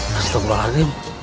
mas tunggal adem